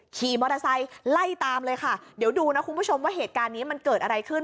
ขี่มอเตอร์ไซค์ไล่ตามเลยค่ะเดี๋ยวดูนะคุณผู้ชมว่าเหตุการณ์นี้มันเกิดอะไรขึ้น